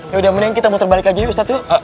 yaudah mending kita puter balik aja yuk ustadz yuk